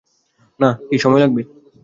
না কি সময় লাগবে?